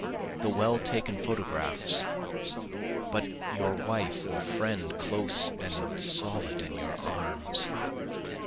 The well taken photographs but your wife or friend close and solid in your arms?